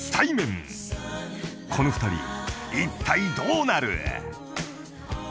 ［この２人いったいどうなる？］